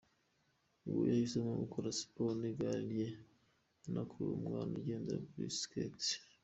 Uyu we yahisemo gukora Siporo n'igare rye anakurura umwana ugendera kuri Sket.